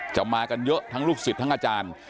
มากันเยอะทั้งลูกศิษย์ทั้งอาจารย์